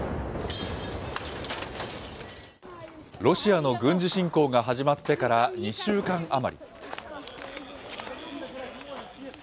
ロシアの軍事侵攻が始まってから２週間余り。